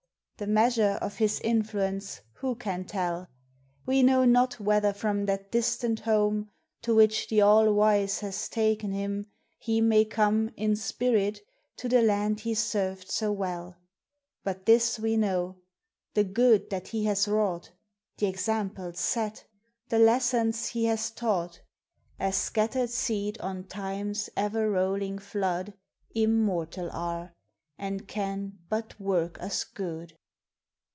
The measure of his influence who can tell? We know not whether from that distant home To which th' All Wise has ta'en him, he may come In spirit to the land he served so well. But this we know: The good that he has wrought, Th' examples set, the lessons he has taught, As scattered seed on Time's e'er rolling flood Immortal are, and can but work us good.